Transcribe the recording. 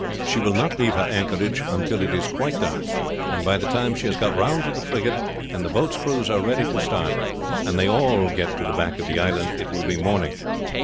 She will not leave her anchorage until it is quite dark; and by the time she has got round to the frigate, and the boat's crews are ready to start, and they all get to the back of the island, it will be morning.